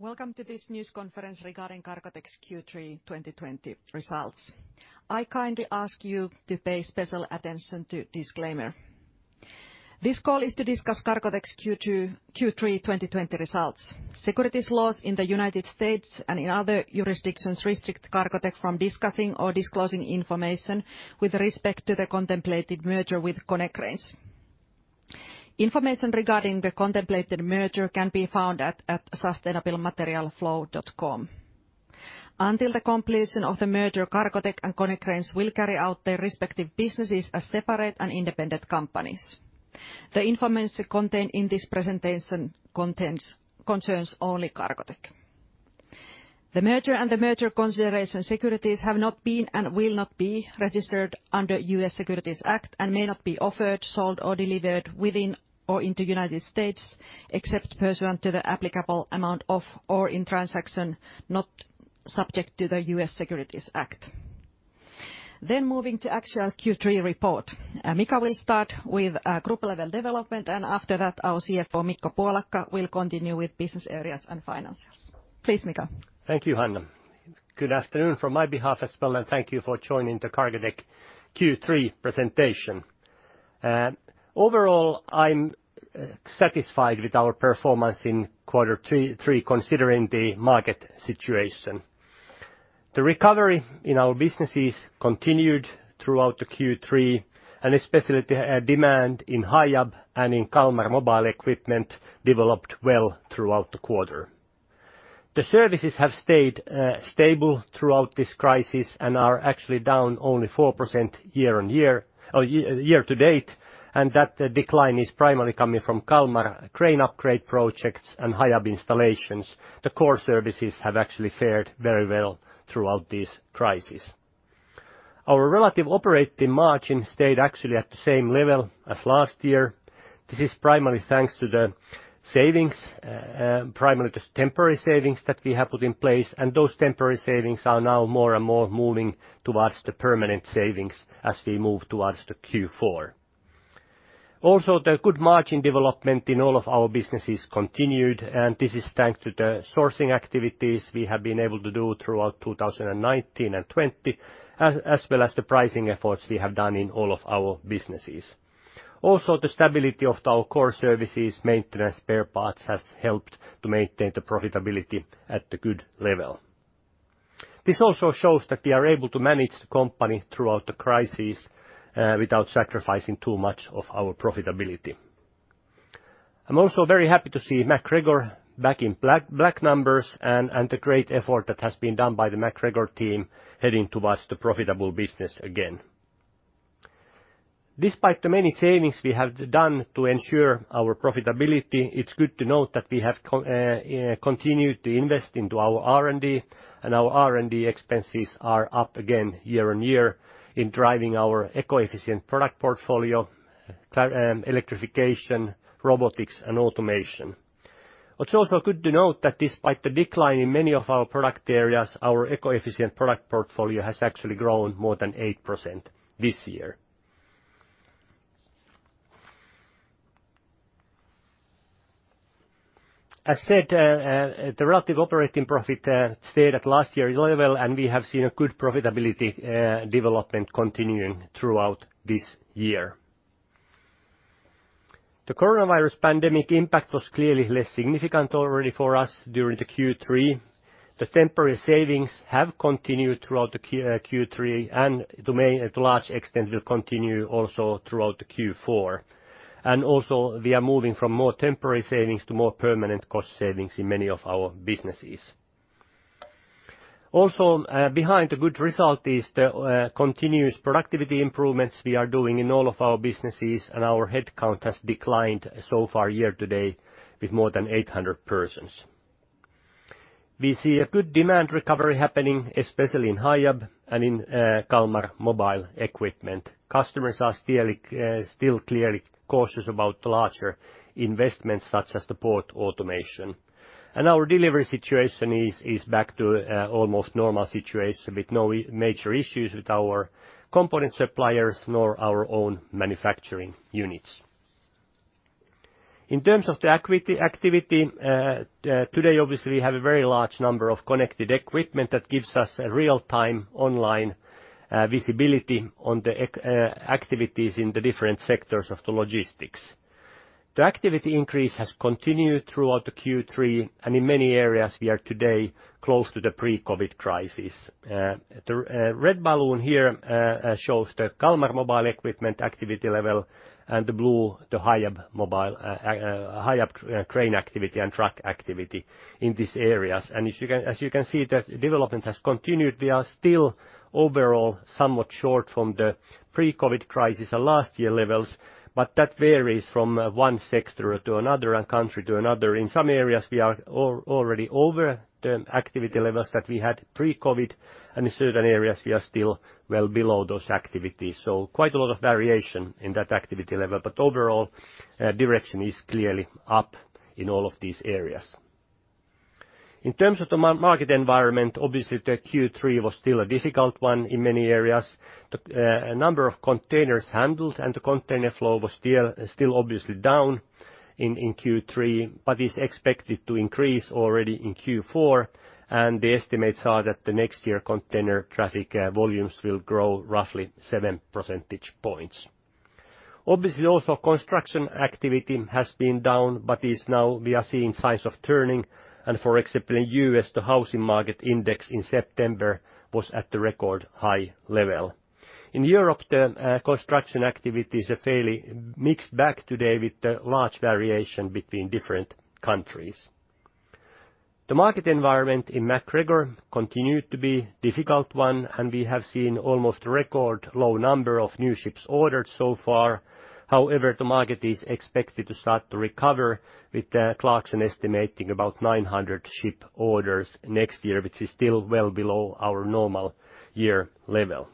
Welcome to this news conference regarding Cargotec's Q3 2020 results. I kindly ask you to pay special attention to disclaimer. This call is to discuss Cargotec's Q3 2020 results. Securities laws in the United States and in other jurisdictions restrict Cargotec from discussing or disclosing information with respect to the contemplated merger with Konecranes. Information regarding the contemplated merger can be found at sustainablematerialflow.com. Until the completion of the merger, Cargotec and Konecranes will carry out their respective businesses as separate and independent companies. The information contained in this presentation concerns only Cargotec. The merger and the merger consideration securities have not been and will not be registered under U.S. Securities Act and may not be offered, sold, or delivered within or into United States except pursuant to the applicable amount of, or in transaction not subject to the U.S. Securities Act. Moving to actual Q3 report. Mika will start with group-level development, and after that, our CFO, Mikko Puolakka, will continue with business areas and finances. Please, Mika. Thank you, Hanna. Good afternoon from my behalf as well, and thank you for joining the Cargotec Q3 presentation. Overall, I'm satisfied with our performance in quarter three considering the market situation. The recovery in our businesses continued throughout the Q3 and especially the demand in Hiab and in Kalmar mobile equipment developed well throughout the quarter. The services have stayed stable throughout this crisis and are actually down only 4% year-to-date, and that decline is primarily coming from Kalmar crane upgrade projects and Hiab installations. The core services have actually fared very well throughout this crisis. Our relative operating margin stayed actually at the same level as last year. This is primarily thanks to the temporary savings that we have put in place, and those temporary savings are now more and more moving towards the permanent savings as we move towards the Q4. Also, the good margin development in all of our businesses continued. This is thanks to the sourcing activities we have been able to do throughout 2019 and 2020, as well as the pricing efforts we have done in all of our businesses. Also, the stability of our core services maintenance spare parts has helped to maintain the profitability at the good level. This also shows that we are able to manage the company throughout the crisis without sacrificing too much of our profitability. I'm also very happy to see MacGregor back in black numbers and the great effort that has been done by the MacGregor team heading towards the profitable business again. Despite the many savings we have done to ensure our profitability, it's good to note that we have continued to invest into our R&D, and our R&D expenses are up again year-on-year in driving our eco-efficient product portfolio, electrification, robotics, and automation. It's also good to note that despite the decline in many of our product areas, our eco-efficient product portfolio has actually grown more than 8% this year. As said, the relative operating profit stayed at last year's level, and we have seen a good profitability development continuing throughout this year. The coronavirus pandemic impact was clearly less significant already for us during the Q3. The temporary savings have continued throughout the Q3 and to a large extent will continue also throughout the Q4. Also, we are moving from more temporary savings to more permanent cost savings in many of our businesses. Behind the good result is the continuous productivity improvements we are doing in all of our businesses, and our headcount has declined so far year to date with more than 800 persons. We see a good demand recovery happening, especially in Hiab and in Kalmar mobile equipment. Customers are still clearly cautious about larger investments such as the port automation. Our delivery situation is back to almost normal situation with no major issues with our component suppliers nor our own manufacturing units. In terms of the activity, today, obviously, we have a very large number of connected equipment that gives us a real-time online visibility on the activities in the different sectors of the logistics. The activity increase has continued throughout the Q3, and in many areas, we are today close to the pre-COVID crisis. The red balloon here shows the Kalmar mobile equipment activity level and the blue, the Hiab crane activity and truck activity in these areas. As you can see, the development has continued. We are still overall somewhat short from the pre-COVID crisis and last year levels, but that varies from one sector to another and country to another. In some areas, we are already over the activity levels that we had pre-COVID, and in certain areas, we are still well below those activities. Quite a lot of variation in that activity level. Overall, direction is clearly up in all of these areas. In terms of the market environment, obviously the Q3 was still a difficult one in many areas. The number of containers handled and the container flow was still obviously down in Q3, but is expected to increase already in Q4, and the estimates are that the next year container traffic volumes will grow roughly seven percentage points. Obviously, also construction activity has been down, but now we are seeing signs of turning, and for example, in the U.S., the Housing Market Index in September was at the record high level. In Europe, the construction activity is a fairly mixed bag today with a large variation between different countries. The market environment in MacGregor continued to be difficult one, and we have seen almost record low number of new ships ordered so far. However, the market is expected to start to recover with the Clarksons estimating about 900 ship orders next year, which is still well below our normal year level.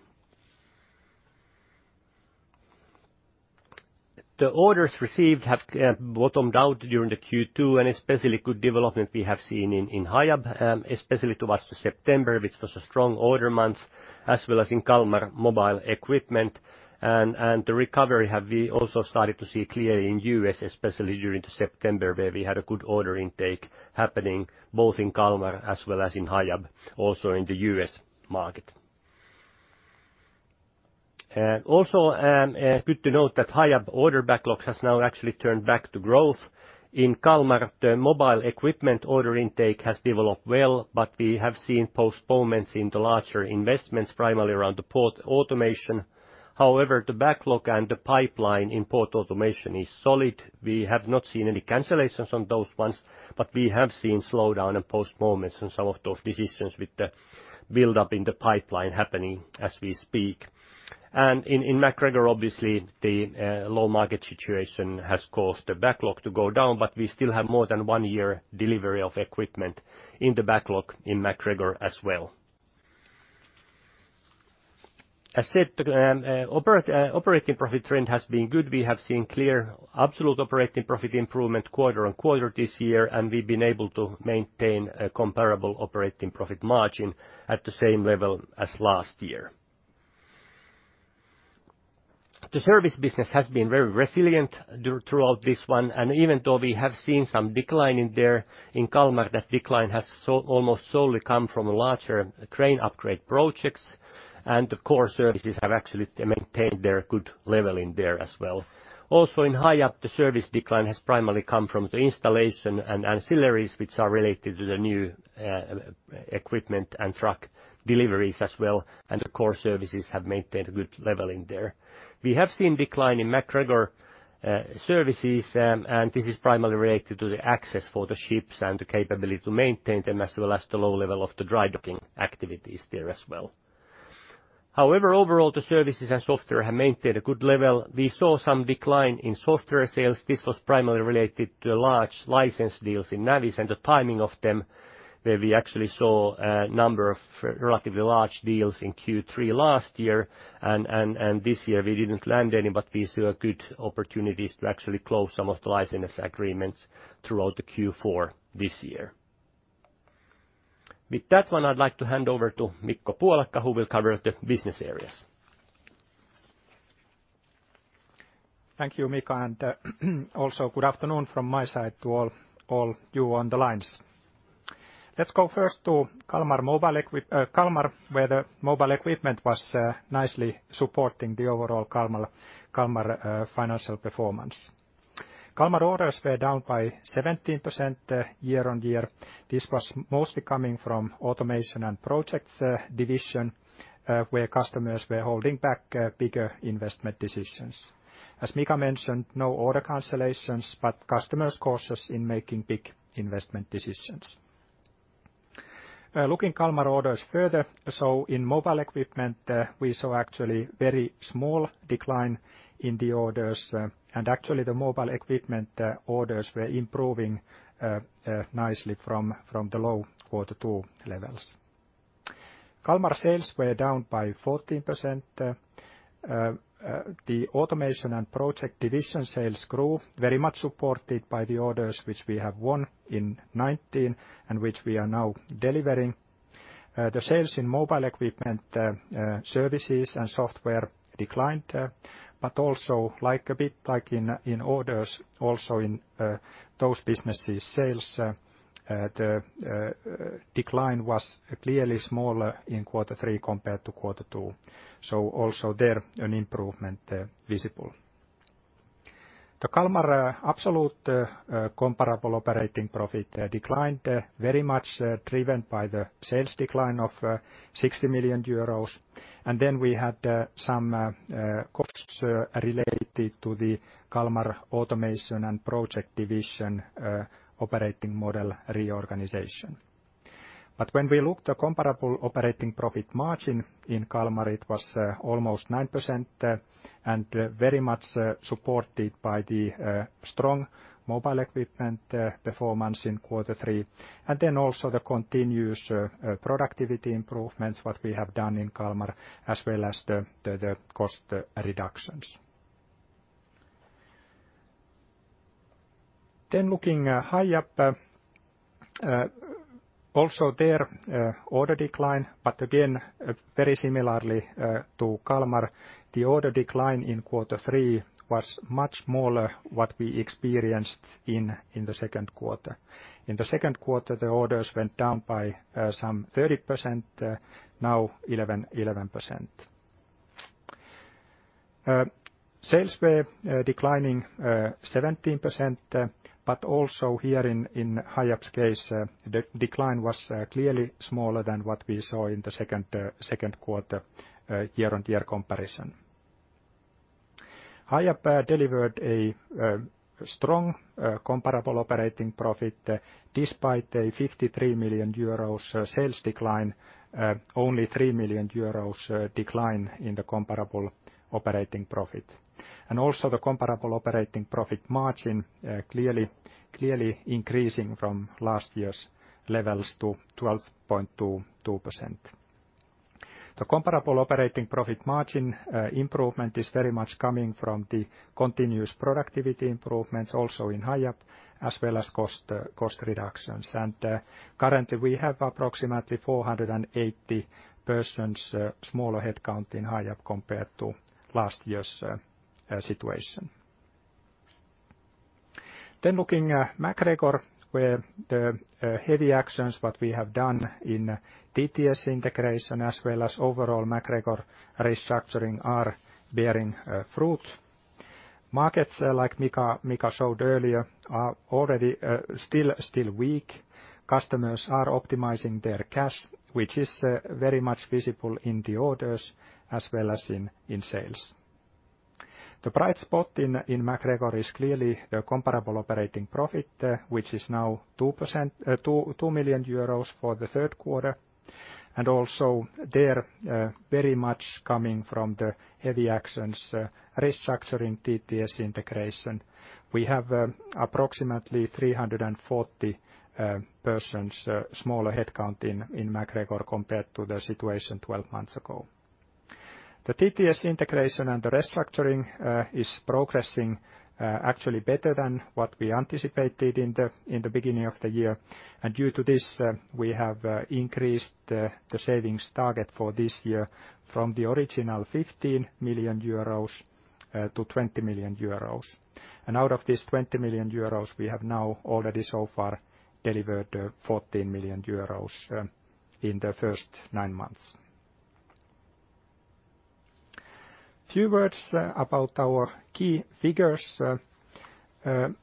The orders received have bottomed out during the Q2, and especially good development we have seen in Hiab, especially towards the September, which was a strong order month, as well as in Kalmar mobile equipment. The recovery have we also started to see clearly in the U.S., especially during the September where we had a good order intake happening both in Kalmar as well as in Hiab, also in the U.S. market. Also good to note that Hiab order backlogs has now actually turned back to growth. In Kalmar, the mobile equipment order intake has developed well, but we have seen postponements in the larger investments, primarily around the port automation. However, the backlog and the pipeline in port automation is solid. We have not seen any cancellations on those ones, but we have seen slowdown and postponements in some of those decisions with the buildup in the pipeline happening as we speak. In MacGregor, obviously, the low market situation has caused the backlog to go down, but we still have more than one year delivery of equipment in the backlog in MacGregor as well. As said, operating profit trend has been good. We have seen clear absolute operating profit improvement quarter-on-quarter this year, and we've been able to maintain a comparable operating profit margin at the same level as last year. The service business has been very resilient throughout this one, and even though we have seen some decline in there in Kalmar, that decline has almost solely come from larger crane upgrade projects, and the core services have actually maintained their good level in there as well. Also in Hiab, the service decline has primarily come from the installation and ancillaries, which are related to the new equipment and truck deliveries as well, and the core services have maintained a good level in there. We have seen decline in MacGregor services, and this is primarily related to the access for the ships and the capability to maintain them, as well as the low level of the dry docking activities there as well. However, overall, the services and software have maintained a good level. We saw some decline in software sales. This was primarily related to large license deals in Navis and the timing of them, where we actually saw a number of relatively large deals in Q3 last year. This year we didn't land any, but we saw good opportunities to actually close some of the license agreements throughout the Q4 this year. With that one, I'd like to hand over to Mikko Puolakka, who will cover the business areas. Thank you, Mika, and also good afternoon from my side to all you on the lines. Let's go first to Kalmar, where the mobile equipment was nicely supporting the overall Kalmar financial performance. Kalmar orders were down by 17% year-on-year. This was mostly coming from automation and projects division, where customers were holding back bigger investment decisions. As Mika mentioned, no order cancellations, customers cautious in making big investment decisions. Looking Kalmar orders further, in mobile equipment, we saw actually very small decline in the orders, and actually the mobile equipment orders were improving nicely from the low quarter two levels. Kalmar sales were down by 14%. The automation and project division sales grew very much supported by the orders which we have won in 2019 and which we are now delivering. The sales in mobile equipment services and software declined, but also a bit like in orders, also in those businesses sales, the decline was clearly smaller in quarter three compared to quarter two. Also there, an improvement visible. The Kalmar absolute comparable operating profit declined very much driven by the sales decline of 60 million euros. Then we had some costs related to the Kalmar automation and projects division operating model reorganization. When we looked the comparable operating profit margin in Kalmar, it was almost 9% and very much supported by the strong mobile equipment performance in quarter three. Then also the continuous productivity improvements, what we have done in Kalmar, as well as the cost reductions. Looking at Hiab, also their order decline, but again, very similarly to Kalmar, the order decline in Q3 was much smaller what we experienced in the Q2. In Q2, the orders went down by some 30%, now 11%. Sales were declining 17%. Also here in Hiab's case, the decline was clearly smaller than what we saw in the Q2 year-on-year comparison. Hiab delivered a strong comparable operating profit despite a 53 million euros sales decline, only 3 million euros decline in the comparable operating profit. Also the comparable operating profit margin clearly increasing from last year's levels to 12.22%. The comparable operating profit margin improvement is very much coming from the continuous productivity improvements also in Hiab as well as cost reductions. Currently, we have approximately 480 persons smaller headcount in Hiab compared to last year's situation. Looking at MacGregor, where the heavy actions what we have done in TTS integration as well as overall MacGregor restructuring are bearing fruit. Markets, like Mika showed earlier, are already still weak. Customers are optimizing their cash, which is very much visible in the orders as well as in sales. The bright spot in MacGregor is clearly the comparable operating profit, which is now 2 million euros for the third quarter, and also there, very much coming from the heavy actions restructuring TTS integration. We have approximately 340 persons smaller headcount in MacGregor compared to the situation 12 months ago. The TTS integration and the restructuring is progressing actually better than what we anticipated in the beginning of the year. Due to this, we have increased the savings target for this year from the original 15 million-20 million euros. Out of this 20 million euros, we have now already so far delivered 14 million euros in the first nine months. Few words about our key figures. Our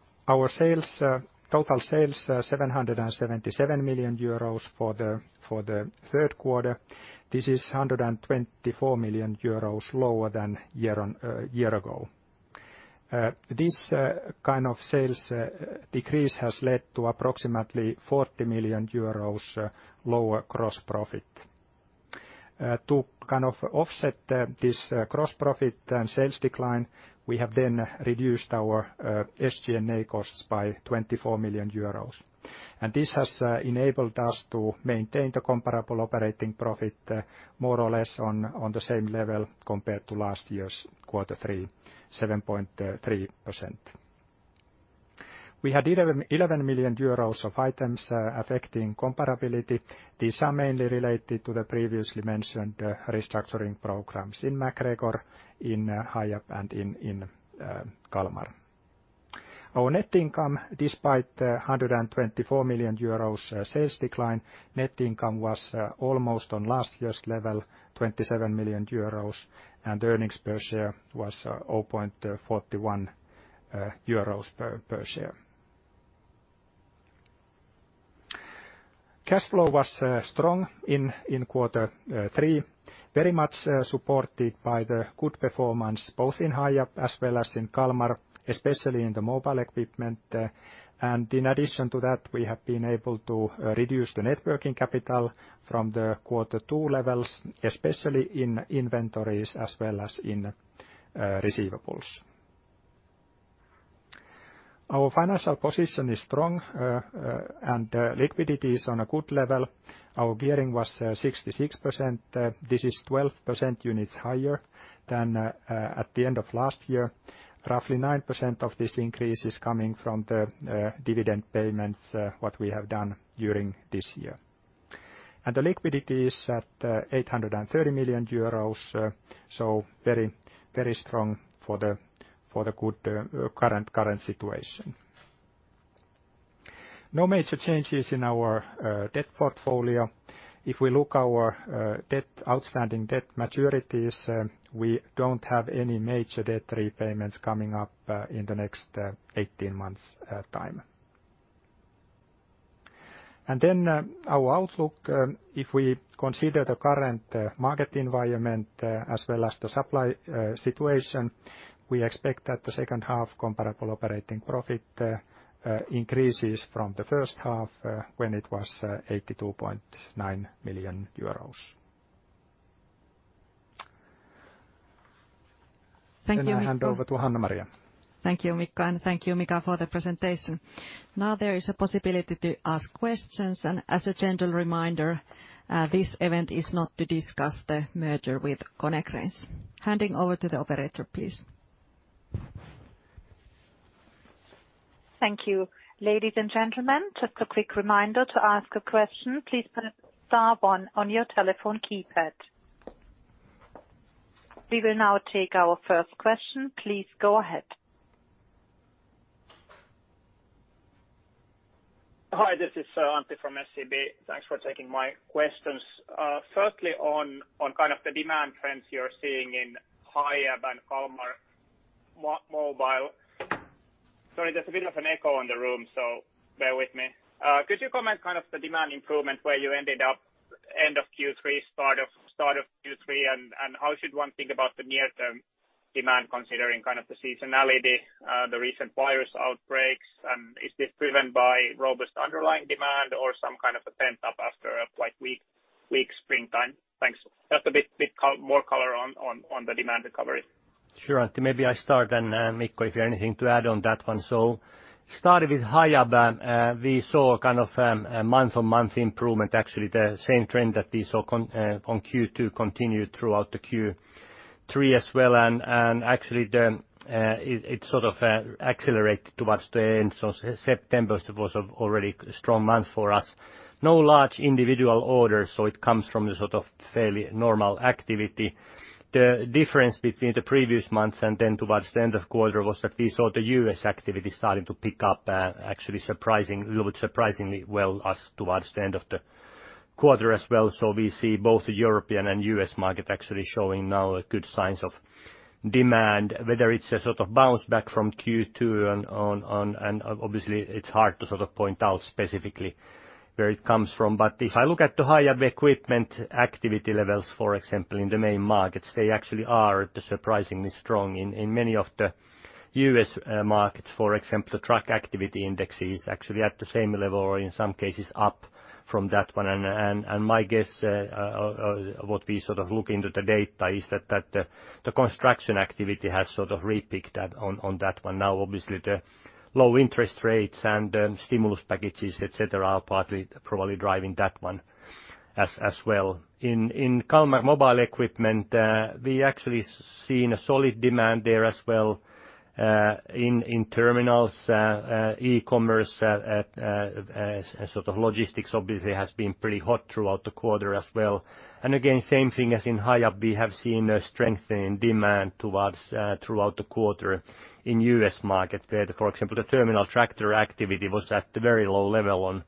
total sales 777 million euros for the third quarter. This is 124 million euros lower than a year ago. This kind of sales decrease has led to approximately 40 million euros lower gross profit. To kind of offset this gross profit and sales decline, we have reduced our SG&A costs by 24 million euros. This has enabled us to maintain the comparable operating profit more or less on the same level compared to last year's Q3, 7.3%. We had 11 million euros of items affecting comparability. These are mainly related to the previously mentioned restructuring programs in MacGregor, in Hiab, and in Kalmar. Our net income, despite 124 million euros sales decline, net income was almost on last year's level, 27 million euros, and earnings per share was 0.41 euros per share. Cash flow was strong in Q3, very much supported by the good performance, both in Hiab as well as in Kalmar, especially in the mobile equipment. In addition to that, we have been able to reduce the net working capital from the Q2 levels, especially in inventories as well as in receivables. Our financial position is strong, and liquidity is on a good level. Our gearing was 66%. This is 12% units higher than at the end of last year. Roughly 9% of this increase is coming from the dividend payments what we have done during this year. The liquidity is at 830 million euros, so very strong for the good current situation. No major changes in our debt portfolio. If we look our outstanding debt maturities, we don't have any major debt repayments coming up in the next 18 months time. Our outlook, if we consider the current market environment as well as the supply situation, we expect that the second half comparable operating profit increases from the first half when it was 82.9 million euros. Thank you, Mikko. I hand over to Hanna-Maria. Thank you, Mikko, and thank you, Mika, for the presentation. Now there is a possibility to ask questions, and as a gentle reminder, this event is not to discuss the merger with Konecranes. Handing over to the operator, please. Thank you. Ladies and gentlemen, just a quick reminder, to ask a question, please press star one on your telephone keypad. We will now take our first question. Please go ahead. Hi, this is Antti from SEB. Thanks for taking my questions. Firstly, on the demand trends you're seeing in Hiab and Kalmar. Sorry, there's a bit of an echo in the room, so bear with me. Could you comment on the demand improvement where you ended up end of Q3, start of Q3, and how should one think about the near-term demand considering the seasonality, the recent virus outbreaks, and is this driven by robust underlying demand or some kind of a pent up after a quite weak springtime? Thanks. Just a bit more color on the demand recovery. Sure, Antti. Maybe I start and Mikko, if you have anything to add on that one. Started with Hiab. We saw a month-on-month improvement, actually, the same trend that we saw on Q2 continued throughout the Q3 as well. Actually, it accelerated towards the end. September was already a strong month for us. No large individual orders, so it comes from the fairly normal activity. The difference between the previous months and then towards the end of quarter was that we saw the US activity starting to pick up, actually surprisingly well as towards the end of the quarter as well. We see both the European and US market actually showing now good signs of demand. Whether it's a bounce back from Q2, and obviously it's hard to point out specifically where it comes from. If I look at the Hiab equipment activity levels, for example, in the main markets, they actually are surprisingly strong in many of the U.S. markets. For example, the truck activity index is actually at the same level or in some cases up from that one. My guess, what we look into the data is that the construction activity has re-picked up on that one. Now, obviously, the low interest rates and stimulus packages, et cetera, are partly probably driving that one as well. In Kalmar mobile equipment, we actually seen a solid demand there as well in terminals, e-commerce, logistics obviously has been pretty hot throughout the quarter as well. Again, same thing as in Hiab, we have seen a strengthening demand throughout the quarter in U.S. market where, for example, the terminal tractor activity was at a very low level on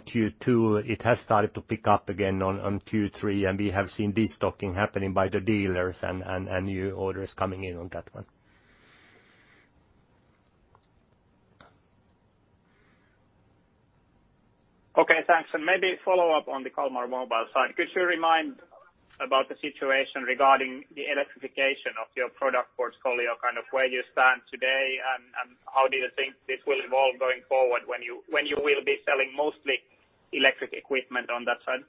Q2. It has started to pick up again on Q3, and we have seen destocking happening by the dealers and new orders coming in on that one. Okay, thanks. Maybe follow up on the Kalmar Mobile side. Could you remind about the situation regarding the electrification of your product portfolio, where you stand today and how do you think this will evolve going forward when you will be selling mostly electric equipment on that side?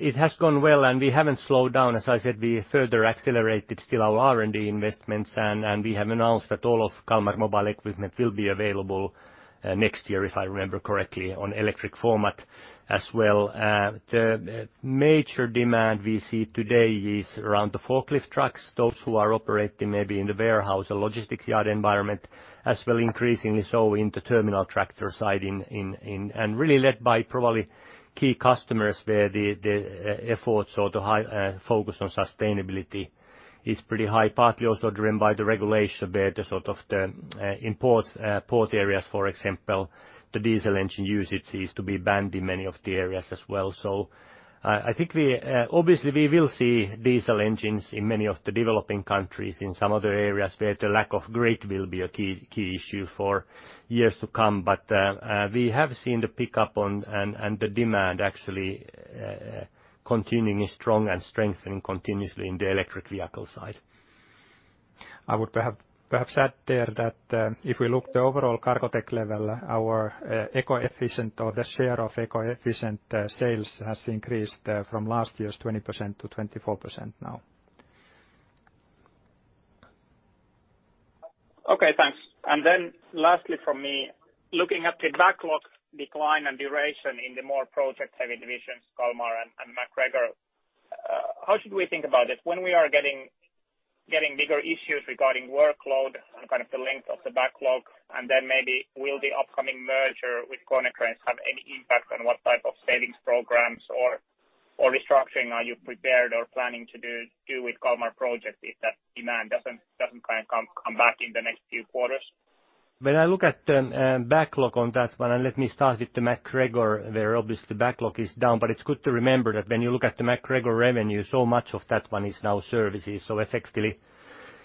It has gone well, and we haven't slowed down. As I said, we further accelerated still our R&D investments, and we have announced that all of Kalmar Mobile equipment will be available next year, if I remember correctly, on electric format as well. The major demand we see today is around the forklift trucks, those who are operating maybe in the warehouse or logistics yard environment as well increasingly so in the terminal tractor side and really led by probably key customers where the efforts or the focus on sustainability is pretty high. Partly also driven by the regulation where the import port areas, for example, the diesel engine usage is to be banned in many of the areas as well. I think obviously we will see diesel engines in many of the developing countries in some other areas where the lack of grid will be a key issue for years to come. We have seen the pickup and the demand actually continuing strong and strengthening continuously in the electric vehicle side. I would perhaps add there that if we look the overall Cargotec level, our eco-efficient or the share of eco-efficient sales has increased from last year's 20%-24% now. Okay, thanks. Lastly from me, looking at the backlog decline and duration in the more project-heavy divisions, Kalmar and MacGregor, how should we think about it when we are getting bigger issues regarding workload and the length of the backlog? Maybe will the upcoming merger with Konecranes have any impact on what type of savings programs or restructuring are you prepared or planning to do with Kalmar project if that demand doesn't come back in the next few quarters? When I look at the backlog on that one, let me start with the MacGregor there. Obviously, backlog is down, it's good to remember that when you look at the MacGregor revenue, so much of that one is now services. Effectively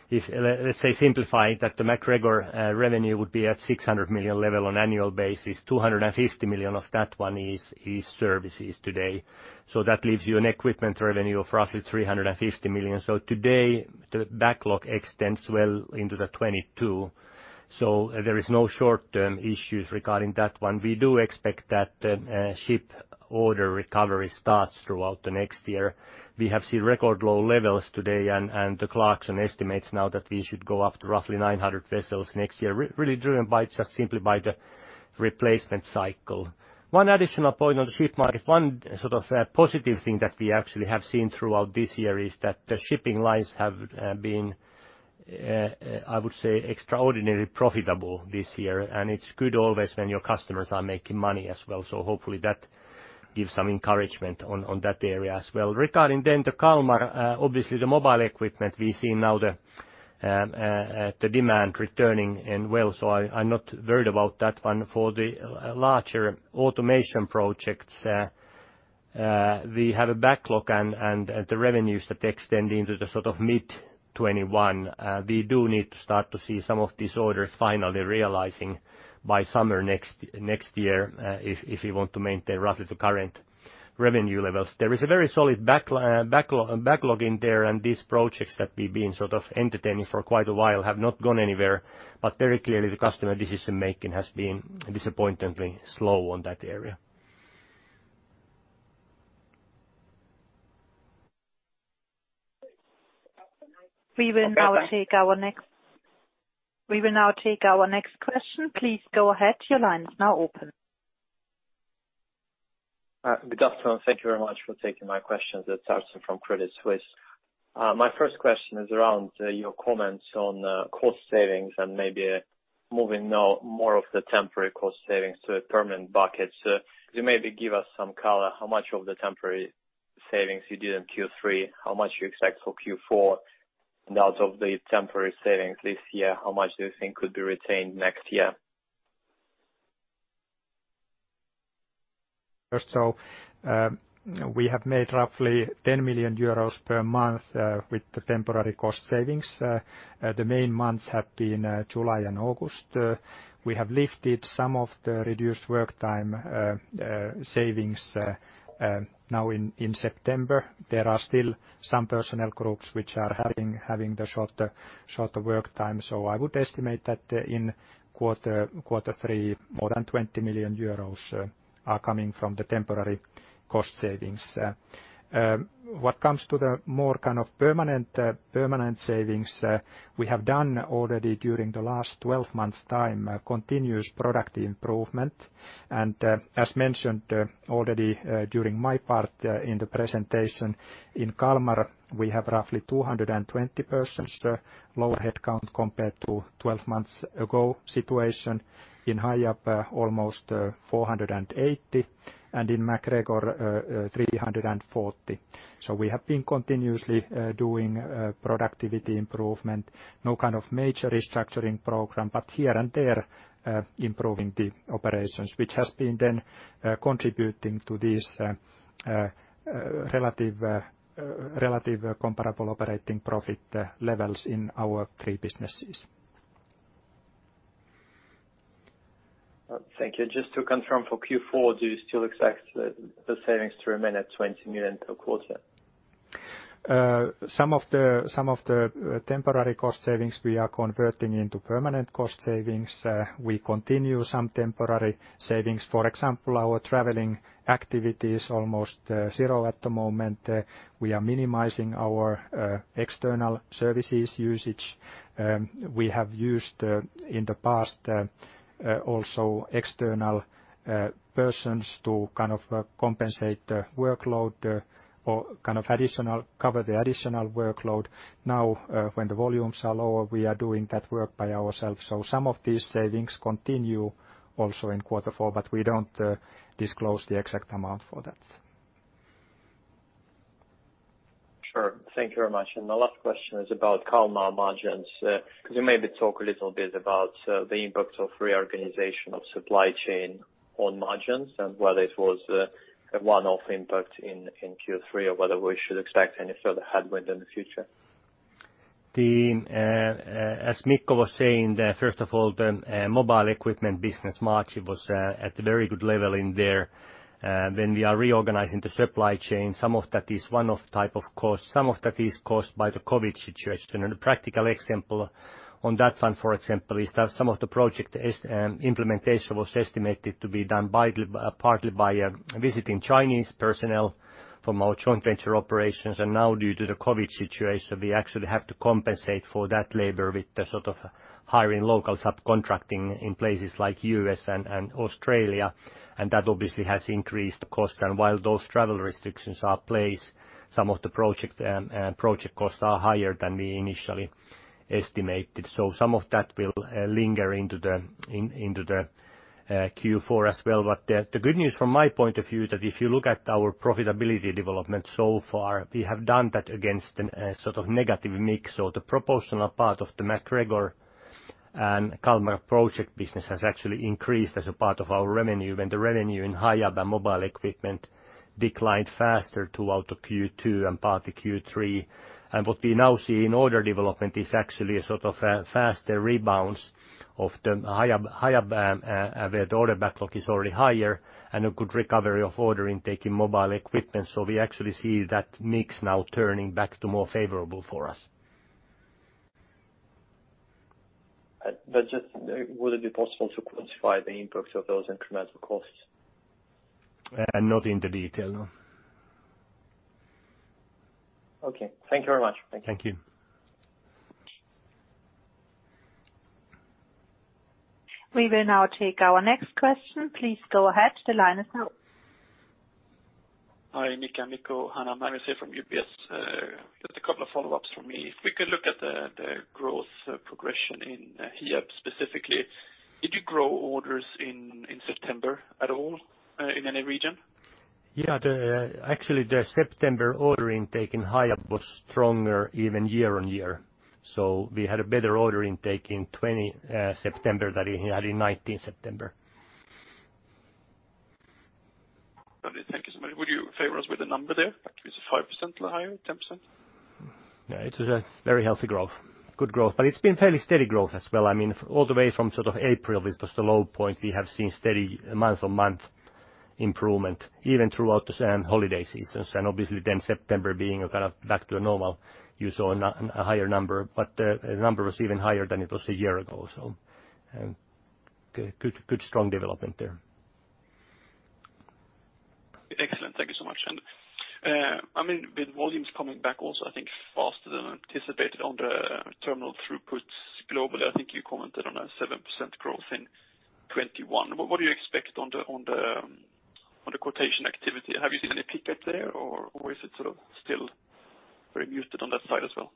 if, let's say, simplify that the MacGregor revenue would be at 600 million level on annual basis, 250 million of that one is services today. Today, the backlog extends well into the 2022. There is no short-term issues regarding that one. We do expect that ship order recovery starts throughout the next year. We have seen record low levels today and the Clarksons estimates now that we should go up to roughly 900 vessels next year, really driven by just simply by the replacement cycle. One additional point on the ship market, one sort of positive thing that we actually have seen throughout this year is that the shipping lines have been, I would say, extraordinary profitable this year, and it's good always when your customers are making money as well. Hopefully that gives some encouragement on that area as well. Regarding the Kalmar, obviously the mobile equipment we see now the demand returning and well. I'm not worried about that one. For the larger automation projects, we have a backlog and the revenues that extend into the mid-2021. We do need to start to see some of these orders finally realizing by summer next year if we want to maintain roughly the current revenue levels. There is a very solid backlog in there. These projects that we've been entertaining for quite a while have not gone anywhere. Very clearly the customer decision-making has been disappointingly slow on that area. We will now take our next question. Please go ahead. Good afternoon. Thank you very much for taking my questions. It's Artem from Credit Suisse. My first question is around your comments on cost savings and maybe moving more of the temporary cost savings to a permanent bucket. Could you maybe give us some color how much of the temporary savings you did in Q3, how much you expect for Q4, and out of the temporary savings this year, how much do you think could be retained next year? We have made roughly 10 million euros per month with the temporary cost savings. The main months have been July and August. We have lifted some of the reduced work time savings now in September. There are still some personnel groups which are having the shorter work time. I would estimate that in quarter three, more than 20 million euros are coming from the temporary cost savings. What comes to the more kind of permanent savings, we have done already during the last 12 months time, continuous product improvement. As mentioned already during my part in the presentation, in Kalmar, we have roughly 220 persons lower headcount compared to 12 months ago situation. In Hiab almost 480 and in MacGregor 340. We have been continuously doing productivity improvement. No kind of major restructuring program, but here and there improving the operations, which has been then contributing to these relative comparable operating profit levels in our three businesses. Thank you. Just to confirm for Q4, do you still expect the savings to remain at 20 million per quarter? Some of the temporary cost savings we are converting into permanent cost savings. We continue some temporary savings. For example, our traveling activity is almost zero at the moment. We are minimizing our external services usage. We have used in the past also external persons to compensate workload or cover the additional workload. Now when the volumes are lower, we are doing that work by ourselves. Some of these savings continue also in quarter four, but we don't disclose the exact amount for that. Sure. Thank you very much. The last question is about Kalmar margins. Could you maybe talk a little bit about the impact of reorganization of supply chain on margins and whether it was a one-off impact in Q3 or whether we should expect any further headwind in the future? As Mikko was saying there, first of all, mobile equipment business margin was at a very good level in there. We are reorganizing the supply chain. Some of that is one-off type of cost. Some of that is caused by the COVID situation. A practical example on that one, for example, is that some of the project implementation was estimated to be done partly by visiting Chinese personnel from our joint venture operations. Now due to the COVID situation, we actually have to compensate for that labor with the sort of hiring local subcontracting in places like U.S. and Australia, and that obviously has increased cost. While those travel restrictions are placed, some of the project costs are higher than we initially estimated. Some of that will linger into the Q4 as well. The good news from my point of view, that if you look at our profitability development so far, we have done that against a sort of negative mix or the proportional part of the MacGregor and Kalmar project business has actually increased as a part of our revenue. The revenue in Hiab mobile equipment declined faster throughout the Q2 and part of Q3. What we now see in order development is actually a sort of a faster rebound of the Hiab where the order backlog is already higher and a good recovery of order in taking mobile equipment. We actually see that mix now turning back to more favorable for us. Just would it be possible to quantify the impacts of those incremental costs? Not in the detail, no. Okay. Thank you very much. Thank you. We will now take our next question. Please go ahead. Hi, Mika, Mikko, Hanna. Magnus here from UBS. Just a couple of follow-ups from me. If we could look at the growth progression in Hiab specifically, did you grow orders in September at all in any region? Yeah. Actually, the September ordering taken Hiab was stronger even year-on-year. We had a better order intake in September 2020 than we had in September 2019. Lovely. Thank you so much. Would you favor us with a number there? Is it 5% or higher, 10%? Yeah. It's a very healthy growth. Good growth. It's been fairly steady growth as well. All the way from April, it was the low point, we have seen steady month-on-month improvement, even throughout the holiday seasons. Obviously then September being a kind of back to normal, you saw a higher number. The number was even higher than it was a year-ago, so good strong development there. Excellent. Thank you so much. With volumes coming back also, I think faster than anticipated on the terminal throughputs globally, I think you commented on a 7% growth in 2021. What do you expect on the quotation activity? Have you seen any pickup there or is it still very muted on that side as well?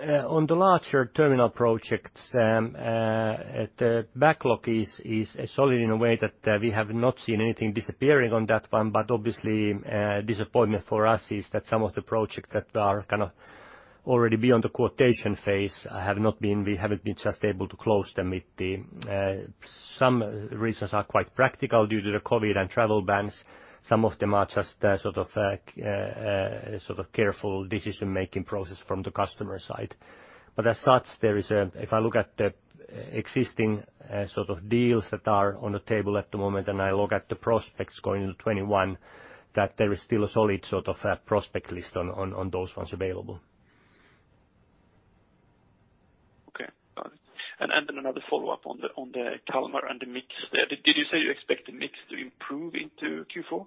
On the larger terminal projects, the backlog is solid in a way that we have not seen anything disappearing on that one, but obviously a disappointment for us is that some of the projects that are already beyond the quotation phase, we haven't been just able to close them with some reasons are quite practical due to the COVID and travel bans. Some of them are just careful decision-making process from the customer side. As such, if I look at the existing deals that are on the table at the moment, and I look at the prospects going into 2021, there is still a solid prospect list on those ones available. Okay, got it. Another follow-up on the Kalmar and the mix there. Did you say you expect the mix to improve into Q4?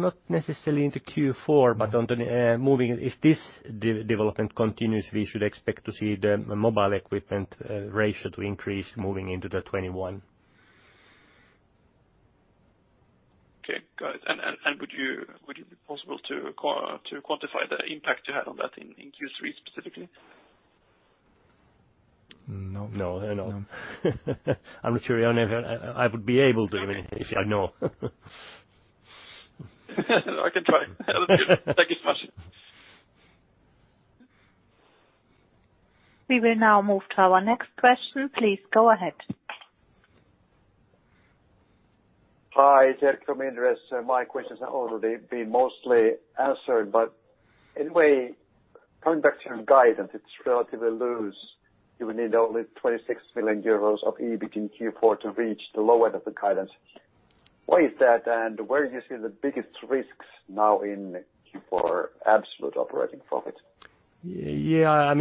Not necessarily into Q4, but if this development continues, we should expect to see the mobile equipment ratio to increase moving into 2021. Okay, got it. Would it be possible to quantify the impact you had on that in Q3 specifically? No. No. I'm not sure I would be able to even if I know. I can try. Thank you so much. We will now move to our next question. Please go ahead. Hi, Erkki from Inderes. My questions have already been mostly answered, but anyway, production guidance, it's relatively loose. You will need only 26 million euros of EBIT in Q4 to reach the low end of the guidance. Why is that, and where do you see the biggest risks now in Q4 absolute operating profit? Yeah.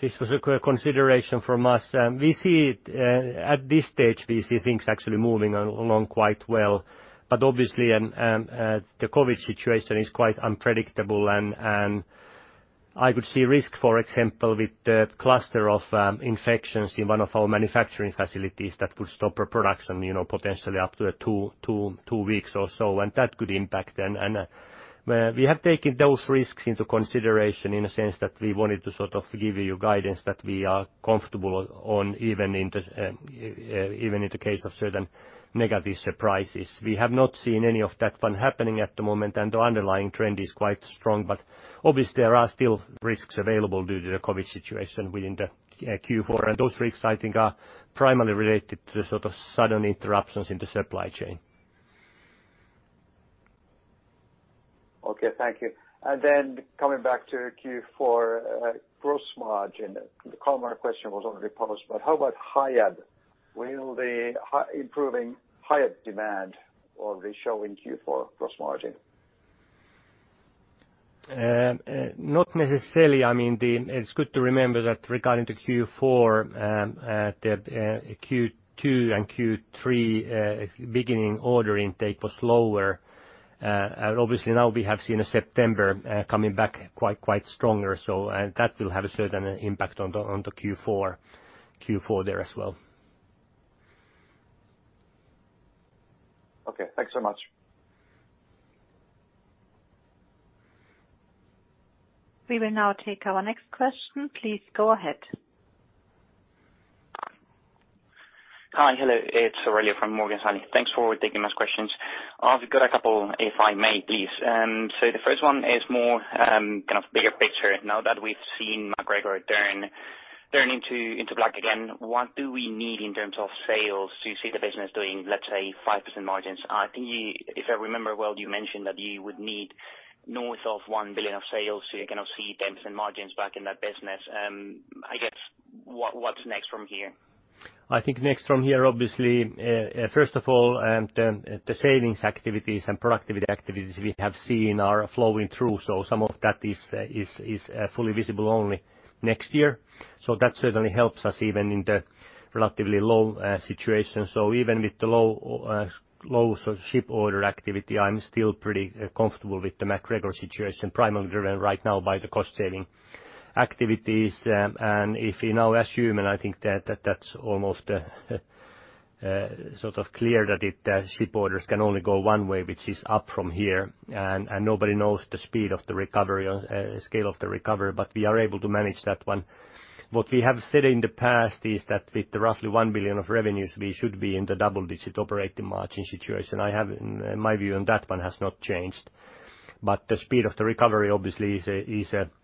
This was a consideration from us. At this stage, we see things actually moving along quite well. Obviously, the COVID situation is quite unpredictable, and I could see risk, for example, with the cluster of infections in one of our manufacturing facilities that could stop our production potentially up to two weeks or so, and that could impact then. We have taken those risks into consideration in the sense that we wanted to give you guidance that we are comfortable on even in the case of certain negative surprises. We have not seen any of that one happening at the moment, and the underlying trend is quite strong. Obviously, there are still risks available due to the COVID situation within the Q4. Those risks, I think, are primarily related to the sudden interruptions in the supply chain. Okay, thank you. Coming back to Q4 gross margin, the Kalmar question was already posed, how about Hiab? Will the improving Hiab demand already show in Q4 gross margin? Not necessarily. It's good to remember that regarding the Q4, the Q2 and Q3 beginning order intake was lower. Obviously, now we have seen September coming back quite stronger, and that will have a certain impact on the Q4 there as well. Okay, thanks so much. We will now take our next question. Please go ahead. Hi. Hello. It's Aurelio from Morgan Stanley. Thanks for taking those questions. I've got a couple, if I may, please. The first one is more kind of bigger picture. Now that we've seen MacGregor turn into black again, what do we need in terms of sales to see the business doing, let's say, 5% margins? I think if I remember well, you mentioned that you would need north of 1 billion of sales so you can now see 10% margins back in that business. I guess what's next from here? I think next from here, obviously, first of all, the savings activities and productivity activities we have seen are flowing through. Some of that is fully visible only next year. That certainly helps us even in the relatively low situation. Even with the low ship order activity, I'm still pretty comfortable with the MacGregor situation, primarily driven right now by the cost-saving activities. If we now assume, and I think that's almost sort of clear that ship orders can only go one way, which is up from here. Nobody knows the speed of the recovery or scale of the recovery, but we are able to manage that one. What we have said in the past is that with roughly 1 billion of revenues, we should be in the double-digit operating margin situation. My view on that one has not changed. The speed of the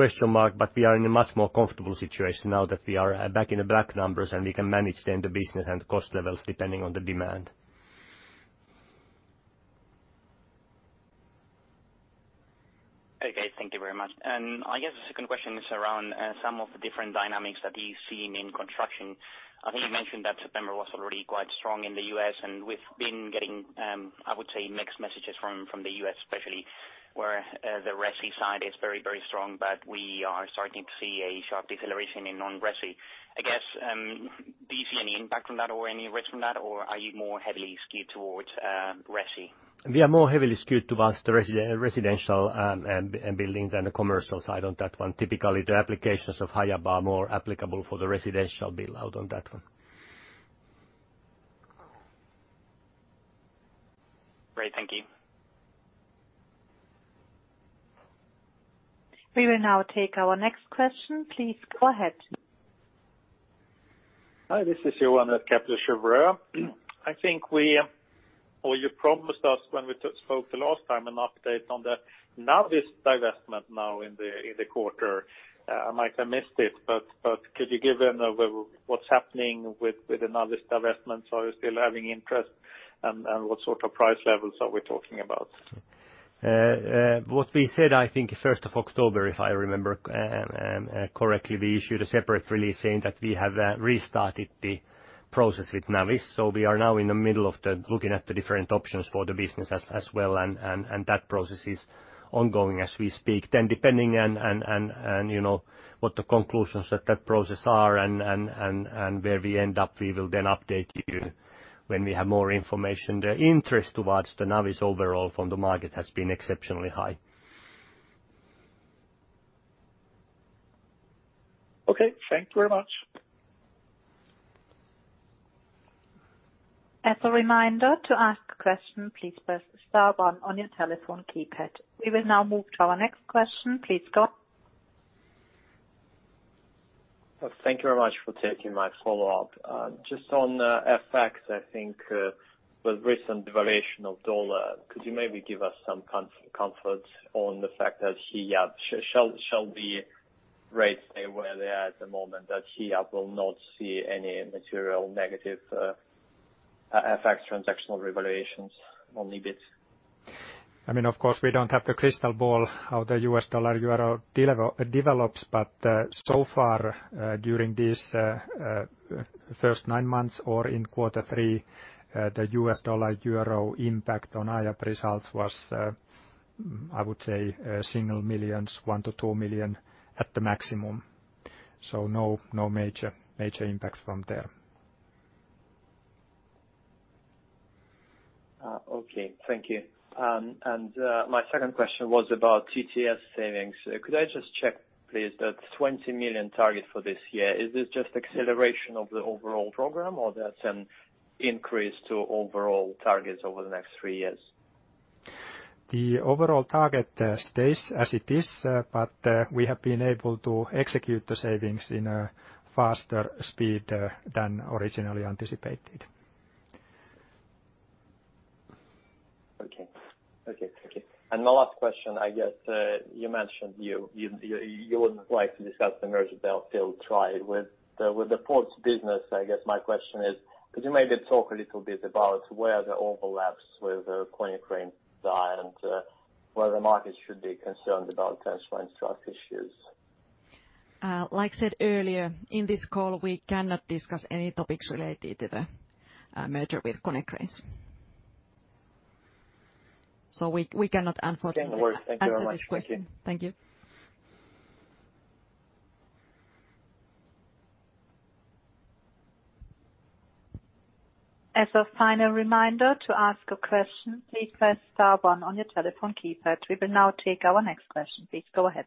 recovery obviously is a question mark. We are in a much more comfortable situation now that we are back in the black numbers, and we can manage then the business and cost levels depending on the demand. Okay, thank you very much. I guess the second question is around some of the different dynamics that you've seen in construction. I think you mentioned that September was already quite strong in the U.S., and we've been getting, I would say, mixed messages from the U.S. especially, where the resi side is very strong, but we are starting to see a sharp deceleration in non-resi. I guess, do you see any impact from that or any risk from that, or are you more heavily skewed towards resi? We are more heavily skewed towards the residential and building than the commercial side on that one. Typically, the applications of Hiab are more applicable for the residential build out on that one. Great. Thank you. We will now take our next question. Please go ahead. Hi, this is Johan at Kepler Cheuvreux. I think you promised us when we spoke the last time an update on the Navis divestment now in the quarter. I might have missed it, but could you give an overview of what's happening with the Navis divestment? Are you still having interest, and what sort of price levels are we talking about? What we said, I think, 1st of October, if I remember correctly, we issued a separate release saying that we have restarted the process with Navis. We are now in the middle of looking at the different options for the business as well, and that process is ongoing as we speak. Depending on what the conclusions of that process are and where we end up, we will then update you when we have more information. The interest towards the Navis overall from the market has been exceptionally high. Okay. Thank you very much. We will now move to our next question. Please go. Thank you very much for taking my follow-up. Just on FX, I think with recent devaluation of U.S. dollar, could you maybe give us some comfort on the fact that Hiab shall the rates stay where they are at the moment, that Hiab will not see any material negative FX transactional revaluations on EBIT? Of course, we don't have the crystal ball how the US dollar/euro develops. So far, during these first nine months or in quarter three, the US dollar/euro impact on Hiab results was, I would say, single millions, 1 million-2 million at the maximum. No major impact from there. Okay. Thank you. My second question was about TTS savings. Could I just check, please, that 20 million target for this year, is this just acceleration of the overall program or that's an increase to overall targets over the next three years? The overall target stays as it is. We have been able to execute the savings in a faster speed than originally anticipated. Okay. My last question, I guess you mentioned you wouldn't like to discuss the merger till you try with the ports business. I guess my question is, could you maybe talk a little bit about where the overlaps with the Konecranes side and whether markets should be concerned about potential antitrust issues? Like I said earlier in this call, we cannot discuss any topics related to the merger with Konecranes. We cannot, unfortunately answer this question. Okay. No worries. Thank you very much. Thank you. As a final reminder, to ask a question, please press star one on your telephone keypad. We will now take our next question. Please go ahead.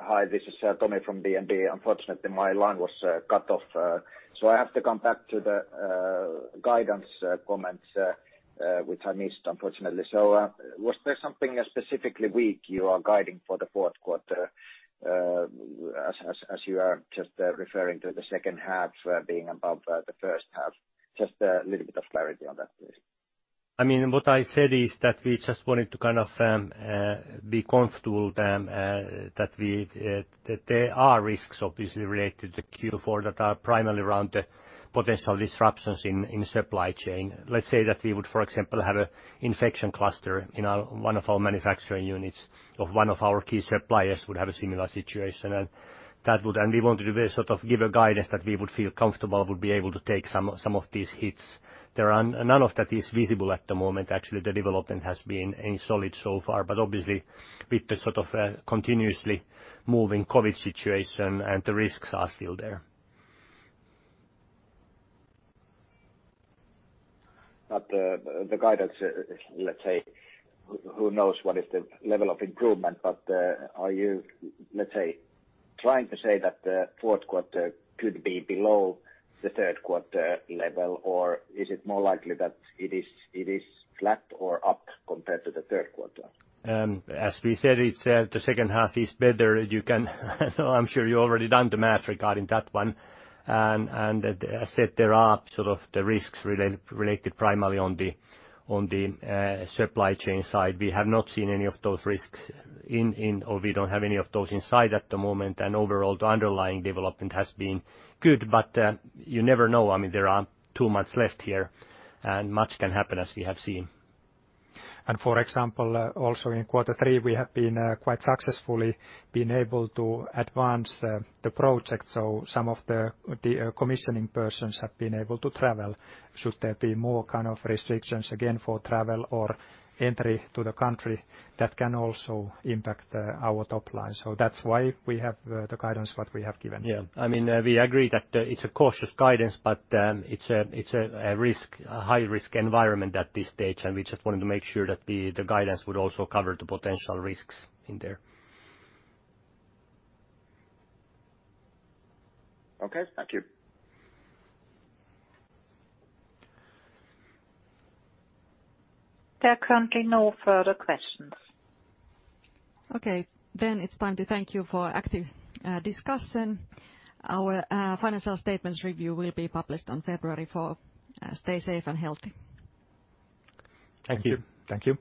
Hi, this is Tomi from DNB. Unfortunately, my line was cut off, so I have to come back to the guidance comments, which I missed, unfortunately. Was there something specifically weak you are guiding for the fourth quarter, as you are just referring to the second half being above the first half? Just a little bit of clarity on that, please. What I said is that we just wanted to kind of be comfortable that there are risks obviously related to Q4 that are primarily around the potential disruptions in supply chain. Let's say that we would, for example, have an infection cluster in one of our manufacturing units or one of our key suppliers would have a similar situation. We want to sort of give a guidance that we would feel comfortable would be able to take some of these hits. None of that is visible at the moment. Actually, the development has been solid so far, but obviously with the sort of continuously moving COVID situation, the risks are still there. The guidance, let's say, who knows what is the level of improvement? Are you, let's say, trying to say that the fourth quarter could be below the third quarter level, or is it more likely that it is flat or up compared to the third quarter? As we said, the second half is better. I'm sure you already done the math regarding that one. As said, there are sort of the risks related primarily on the supply chain side. We have not seen any of those risks or we don't have any of those in sight at the moment. Overall, the underlying development has been good, but you never know. There are two months left here and much can happen as we have seen. For example, also in quarter three, we have been quite successfully been able to advance the project. Some of the commissioning persons have been able to travel. Should there be more kind of restrictions again for travel or entry to the country, that can also impact our top line. That's why we have the guidance what we have given. Yeah. We agree that it's a cautious guidance, but it's a high-risk environment at this stage, and we just wanted to make sure that the guidance would also cover the potential risks in there. Okay. Thank you. There are currently no further questions. Okay. It's time to thank you for active discussion. Our financial statements review will be published on February 4th. Stay safe and healthy. Thank you. Thank you.